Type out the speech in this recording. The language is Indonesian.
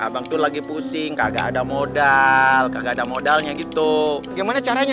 abang tuh lagi pusing kagak ada modal kagak ada modalnya gitu gimana caranya